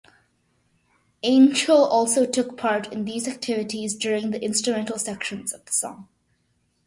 Anghel also took part in these activities during the instrumental sections of the song.